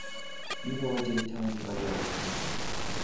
You know I didn't tell anybody I was coming here.